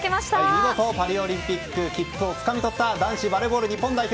見事パリオリンピックへの切符をつかみ取った男子バレーボール日本代表